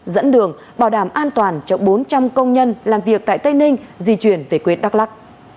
dẫn đường bảo đảm an toàn cho bốn trăm linh công nhân làm việc tại tây ninh di chuyển về quê đắk lắc